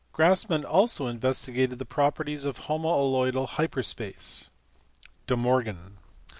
Grassmann also investigated the properties of homaloidal hyper space. De Morgan*.